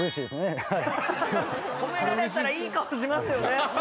褒められたらいい顔しますよね